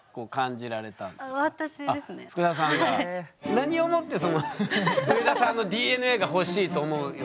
何をもって上田さんのＤＮＡが欲しいと思うようになったんですか？